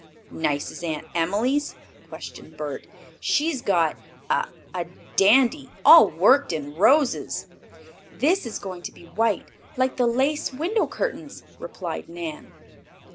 "Nice as Aunt Emily's?" questioned Bert. "She's got a a dandy, all worked in roses." "This is going to be white, like the lace window curtains," replied Nan.